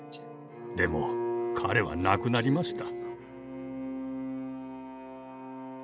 でも彼は亡くなりました。